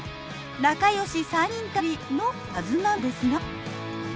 仲よし３人旅のはずなんですが。